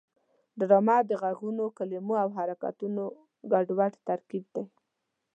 ډرامه د غږونو، کلمو او حرکتونو ګډوډ ترکیب دی